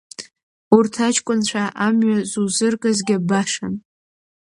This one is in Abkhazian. Урҭ аҷкәынцәа амҩа зузыркызгьы башан.